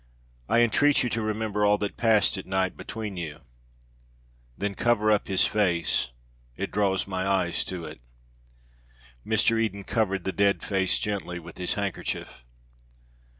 "I entreat you to remember all that passed at night between you!" "Then cover up his face it draws my eyes to it." Mr. Eden covered the dead face gently with his handkerchief.